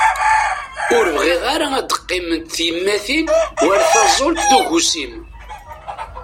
Ur bɣiɣ ara ad qqiment tyemmatin war taẓult d ugusim.